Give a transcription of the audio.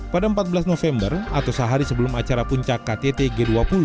pada empat belas november atau sehari sebelum acara puncak ktt g dua puluh